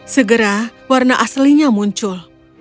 segera warna aslinya muncul